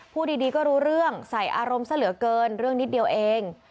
พูดดีก็รู้เรื่องใส่อารมณ์ซะเหลือเกินเรื่องนิดเดียวเอง